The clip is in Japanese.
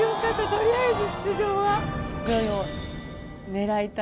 とりあえず出場は。